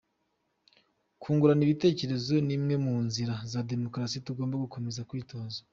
Kungurana ibitekerezo ni imwe mu nzira za demokrasi tugomba gukomeza kwitoza.